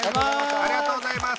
ありがとうございます。